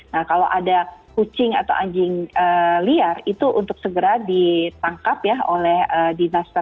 nah kalau ada kucing atau anjing liar itu untuk segera ditangkap ya oleh dinas terkait yang kemudian diberikan vaksin